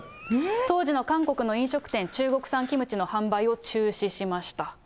当時の韓国の飲食店、中国産キムチの販売を中止しました。